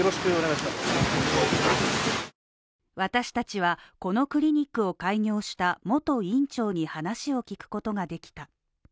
私達はこのクリニックを開業した元院長に話を聞くことができた。